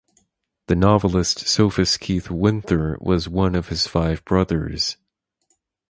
The novelist Sophus Keith Winther was one of his five brothers.